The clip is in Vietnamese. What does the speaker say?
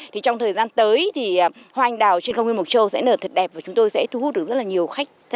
trong thời gian tới thì hoa anh đào trên công viên mộc châu sẽ nở thật đẹp và chúng tôi sẽ thu hút được rất nhiều khách